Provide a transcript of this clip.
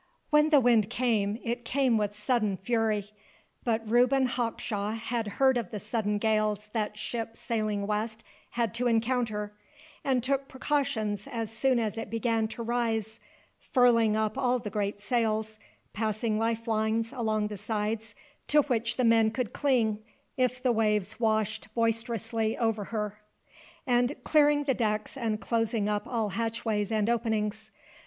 When the wind came, it came with sudden fury; but Reuben Hawkshaw had heard of the sudden gales that ships sailing west had to encounter, and took precautions as soon as it began to rise furling up all the great sails; passing lifelines along the sides, to which the men could cling, if the waves washed boisterously over her; and clearing the decks and closing up all hatchways and openings.